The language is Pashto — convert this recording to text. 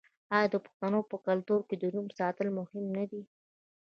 آیا د پښتنو په کلتور کې د نوم ساتل مهم نه دي؟